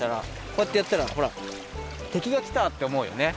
こうやってやったらほらてきがきた！っておもうよね。